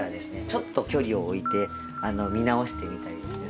ちょっと距離を置いて見直してみたりですね